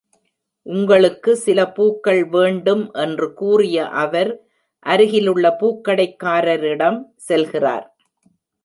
"உங்களுக்கு சில பூக்கள் வேண்டும்," என்று கூறிய அவர், அருகிலுள்ள பூக்கடைக்காரரிடம் செல்கிறார்.